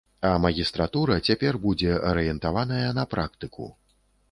А магістратура цяпер будзе арыентаваная на практыку.